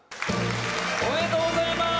おめでとうございます！